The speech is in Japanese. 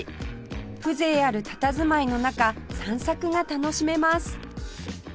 風情あるたたずまいの中散策が楽しめます